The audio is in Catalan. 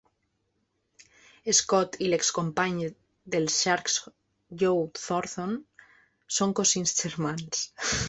Scott i l'excompany dels Sharks Joe Thornton són cosins germans.